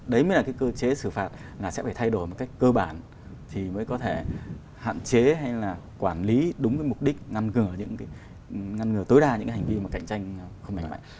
đấy mới là cái cơ chế xử phạt là sẽ phải thay đổi một cách cơ bản thì mới có thể hạn chế hay là quản lý đúng cái mục đích ngăn ngừa tối đa những cái hành vi mà cạnh tranh không đánh mạnh